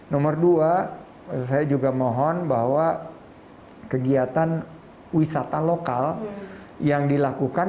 nomor dua saya juga mohon bahwa kegiatan wisata lokal yang dilakukan